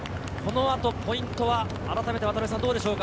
ポイントはどうでしょうか？